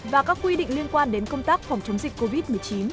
và các quy định liên quan đến công tác phòng chống dịch covid một mươi chín